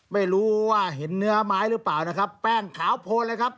ไม่รู้ว่าเห็นเนื้อไม้หรือเปล่านะครับแป้งขาวโพนเลยครับ